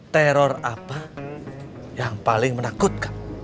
teror apa yang paling menakutkan